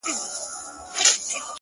که غچيدله زنده گي په هغه ورځ درځم؛